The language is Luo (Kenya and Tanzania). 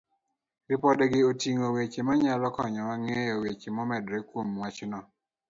Ripodegi oting'o weche manyalo konyowa ng'eyo weche momedore kuom wachno.